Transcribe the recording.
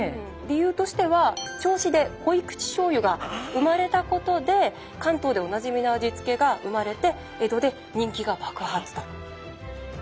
理由としては銚子で濃い口しょうゆが生まれたことで関東でおなじみの味付けが生まれて江戸で人気がばくはつと！